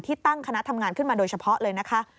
ตั้งคณะทำงานขึ้นมาโดยเฉพาะเลยนะคะ